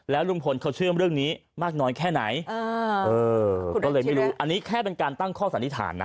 ลุงพลเขาเชื่อมเรื่องนี้มากน้อยแค่ไหนก็เลยไม่รู้อันนี้แค่เป็นการตั้งข้อสันนิษฐานนะ